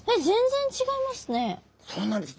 そうなんです。